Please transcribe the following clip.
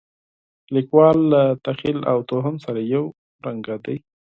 د لیکوال له تخیل او توهم سره یو شان دي.